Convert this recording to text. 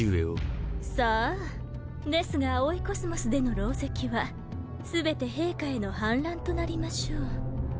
さぁ？ですが葵宇宙での狼藉は全て陛下への反乱となりましょう。